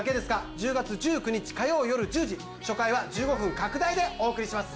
１０月１９日火曜夜１０時初回は１５分拡大でお送りします